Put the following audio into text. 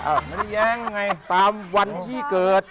ไม่ได้แย้งไง